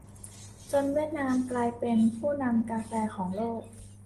จนเวียดนามกลายเป็นผู้นำกาแฟของโลก